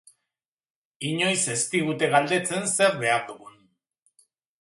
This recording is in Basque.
Inoiz ez digute galdetzen zer behar dugun.